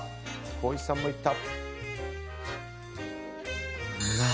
光一さんもいった。